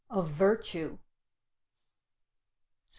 "A virtue." 17.